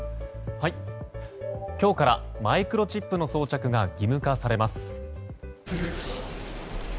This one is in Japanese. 今日からマイクロチップの装着が義務化されます。